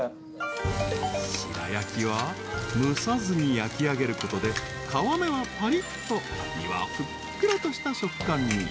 ［白焼は蒸さずに焼きあげることで皮目はぱりっと身はふっくらとした食感に］